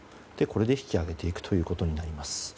これで引き揚げていくことになります。